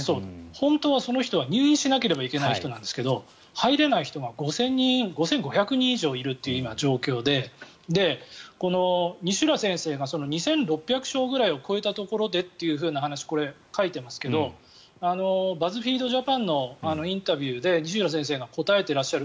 本当はその人は入院しなければいけない人なんですけど入れない人が５５００人以上いるという状況でこの西浦先生が２６００床を超えたところでという話とこれ、書いていますけどバズフィードジャパンのインタビューで西浦先生が答えていらっしゃる